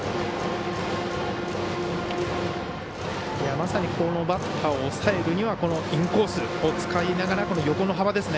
まさに、このバッターを抑えるにはインコースを使いながら横の幅ですね。